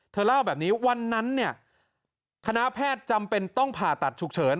เล่าแบบนี้วันนั้นเนี่ยคณะแพทย์จำเป็นต้องผ่าตัดฉุกเฉิน